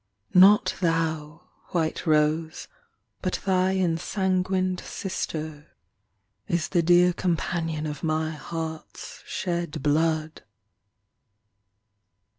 Not thou, White rose, but thy Ensanguined sister is The dear companion of my heart s Shed blood.